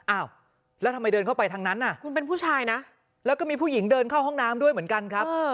อ้าวแล้วทำไมเดินเข้าไปทางนั้นน่ะคุณเป็นผู้ชายนะแล้วก็มีผู้หญิงเดินเข้าห้องน้ำด้วยเหมือนกันครับ